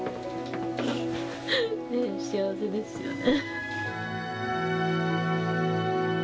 幸せですよね。